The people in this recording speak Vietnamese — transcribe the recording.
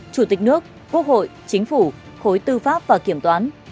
chủ tịch nước quốc hội chính phủ khối tư pháp và kiểm toán